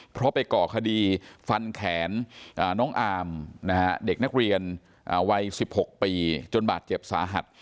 เพราะไปก่อคดีฟันแขนน้องอามเด็กนักเรียนวัย๑๖ปีจนบาดเจ็บสาหัส